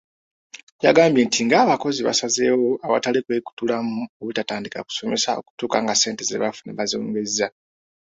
Yagambye nti ng'abakozi baasazeewo awatali kwekutulamu obutatandika kusomesa okutuuka nga ssente ze bafuna bazongeza.